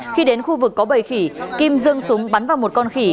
khi đến khu vực có bầy khỉ kim dương súng bắn vào một con khỉ